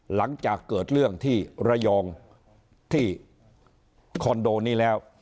หลังจากเกิดเรื่องที่ระยองที่คอนโดนี้แล้ว